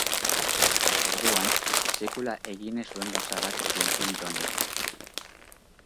Orduan, sekula egin ez zuen gauza bat egin zuen Jonek.